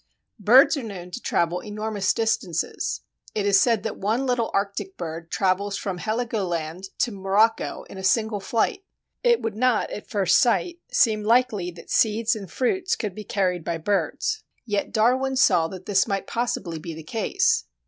Birds are known to travel enormous distances. It is said that one little Arctic bird travels from Heligoland to Morocco in a single flight. It would not, at first sight, seem likely that seeds and fruits could be carried by birds; yet Darwin saw that this might possibly be the case.